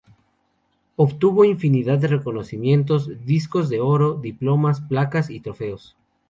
Obtuvo infinidad de reconocimientos: discos de oro, diplomas, placas y trofeos.